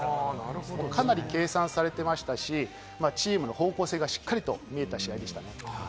かなり計算されてましたし、チームの方向性がしっかり見えた試合でしたね。